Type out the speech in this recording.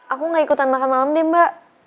aku gak ikutan makan malam nih mbak